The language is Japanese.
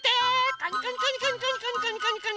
カニカニカニカニカニカニ。